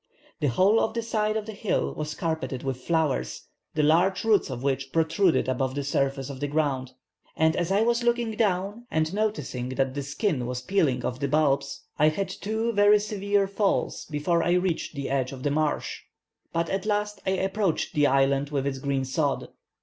The whole of the side of the hill was carpeted with flowers, the large roots of which protruded above the surface of the ground; and as I was looking down, and noticing that the skin was peeling off the bulbs, I had two very severe falls before I reached the edge of the marsh; but at last I approached the island with its green sod.